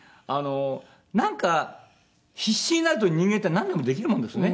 なんか必死になると人間ってなんでもできるもんですね。